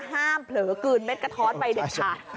เผลอกลืนเม็ดกระท้อนไปเด็ดขาด